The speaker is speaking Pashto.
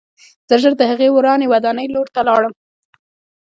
زه ژر د هغې ورانې ودانۍ لور ته لاړم